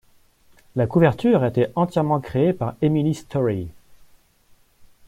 La couverture a été entièrement créée par Emily Storey.